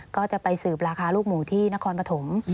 ก็จะไปสืบราคาลูกหมูที่นครปฐม